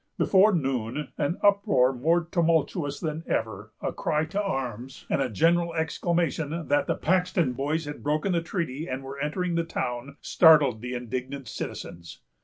Before noon, an uproar more tumultuous than ever, a cry to arms, and a general exclamation that the Paxton Boys had broken the treaty and were entering the town, startled the indignant citizens.